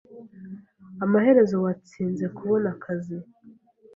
Amaherezo watsinze kubona akazi. )